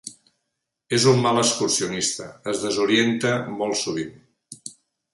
És un mal excursionista: es desorienta molt sovint.